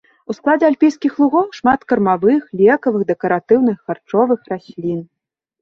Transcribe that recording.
У складзе альпійскіх лугоў шмат кармавых, лекавых, дэкаратыўных, харчовых раслін.